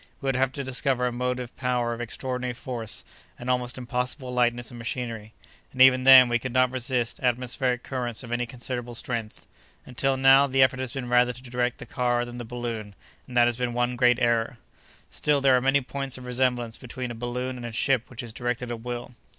We would have to discover a motive power of extraordinary force, and almost impossible lightness of machinery. And, even then, we could not resist atmospheric currents of any considerable strength. Until now, the effort has been rather to direct the car than the balloon, and that has been one great error." "Still there are many points of resemblance between a balloon and a ship which is directed at will."